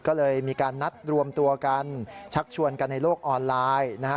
ก็เลยมีการนัดรวมตัวกันชักชวนกันในโลกออนไลน์นะฮะ